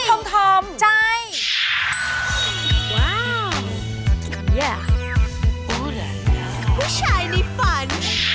ธรรมธรรมใจว้าวพูดได้ผู้ชายในฝัน